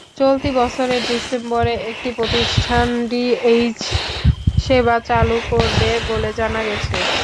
চলতি বছরের ডিসেম্বরে একটি প্রতিষ্ঠান ডিটিএইচ সেবা চালু করবে বলে জানা গেছে।